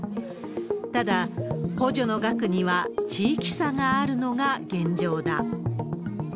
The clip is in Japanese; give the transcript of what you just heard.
ただ、補助の額には地域差があるのが現状だ。